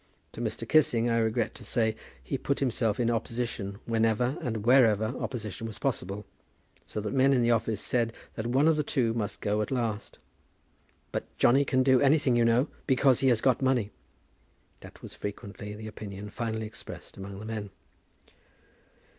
To Mr. Kissing, I regret to say, he put himself in opposition whenever and wherever opposition was possible; so that men in the office said that one of the two must go at last. "But Johnny can do anything, you know, because he has got money." That was too frequently the opinion finally expressed among the men.